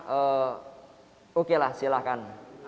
eh okelah silahkan